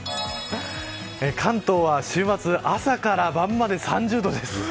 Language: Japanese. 関東は週末、朝から晩まで３０度です。